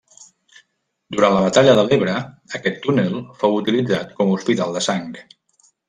Durant la Batalla de l'Ebre, aquest túnel fou utilitzat com a Hospital de Sang.